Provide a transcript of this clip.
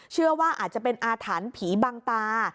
เชื่อว่าอาจจะเป็นอาถรรพ์ผีบังตา